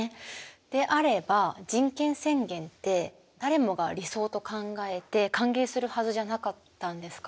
であれば人権宣言って誰もが理想と考えて歓迎するはずじゃなかったんですか？